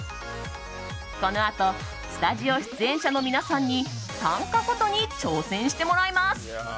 このあとスタジオ出演者の皆さんに短歌フォトに挑戦してもらいます。